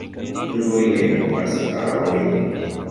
Hundoj ne povas paroli.